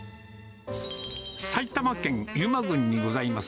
埼玉県入間郡にございます